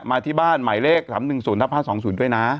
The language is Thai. มาที่บ้านหมายเลข๓๑๐ทับ๕๒๐ด้วยนะ